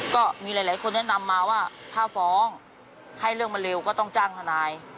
ก็มีหลายคนแนะนำมาว่าถ้าฟ้องให้เรื่องมันเร็วก็ต้องจ้างทนาย